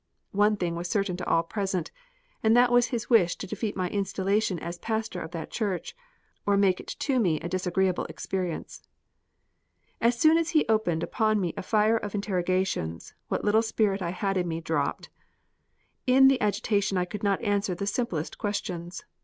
One thing was certain to all present, and that was his wish to defeat my installation as pastor of that church, or make it to me a disagreeable experience. As soon as he opened upon me a fire of interrogations, what little spirit I had in me dropped. In the agitation I could not answer the simplest questions.